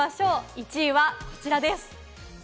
１位はこちらです。